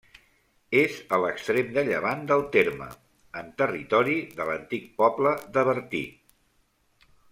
És a l'extrem de llevant del terme, en territori de l'antic poble de Bertí.